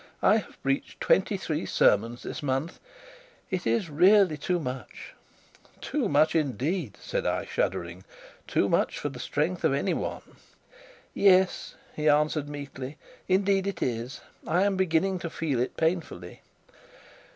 I have preached twenty three sermons this month. It is really too much.' 'Too much for the strength of any one.' 'Yes,' he answered meekly, 'indeed it is; I am beginning to feel it painfully.'